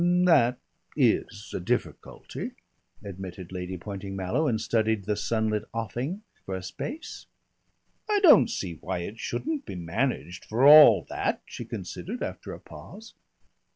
"That is a difficulty," admitted Lady Poynting Mallow, and studied the sunlit offing for a space. "I don't see why it shouldn't be managed for all that," she considered after a pause.